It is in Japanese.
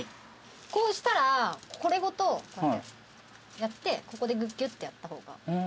こうしたらこれごとここでギュッてやった方が。